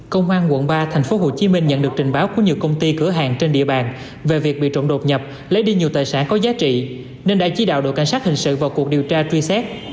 công an quận ba thành phố hồ chí minh nhận được trình báo của nhiều công ty cửa hàng trên địa bàn về việc bị trộn đột nhập lấy đi nhiều tài sản có giá trị nên đã chỉ đạo đội cảnh sát hình sự vào cuộc điều tra truy xét